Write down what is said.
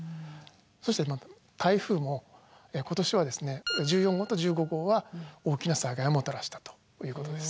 そして台風も今年はですね１４号と１５号は大きな災害をもたらしたということです。